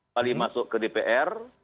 kali masuk ke dpr